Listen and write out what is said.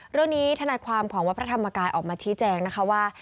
ทนายความของวัดพระธรรมกายออกมาชี้แจงนะคะว่า